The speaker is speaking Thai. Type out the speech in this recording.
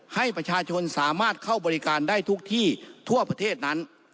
ให้ประชาชนสามารถเข้าบริการได้ทุกที่ทั่วประเทศนั้น